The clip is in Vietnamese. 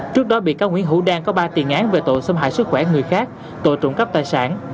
trước đó bị cáo nguyễn hữu đan có ba tiền án về tội xâm hại sức khỏe người khác tội trụng cấp tài sản